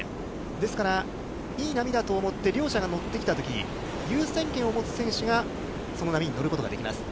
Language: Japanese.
ですから、いい波だと思って、両者が乗ってきたとき、優先権を持つ選手がその波に乗ることができます。